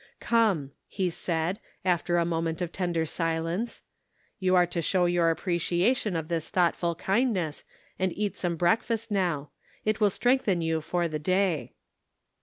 " Come," he said, after a moment of tender silence, "you are to show your appreciation of this thoughtful kindness, and eat some break fast now ; it will strengthen you for the day."